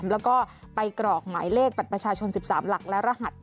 แล้วก็ไปกรอกหมายเลขบัตรประชาชน๑๓หลักและรหัส